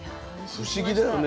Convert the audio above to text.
不思議だよね。